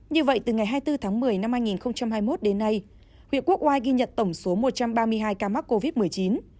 như vậy từ ngày hai mươi bốn tháng một mươi năm hai nghìn hai mươi một đến nay huyện quốc oai ghi nhận tổng số một trăm ba mươi hai ca mắc covid một mươi chín